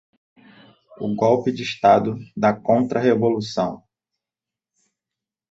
O Golpe de Estado da Contra-Revolução